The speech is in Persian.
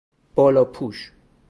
بالاپوش